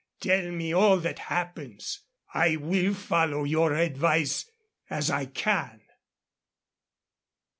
Tell me all that happens. I will follow your advice as I can."